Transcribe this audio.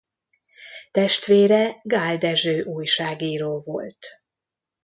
Testvére Gál Dezső újságíró volt.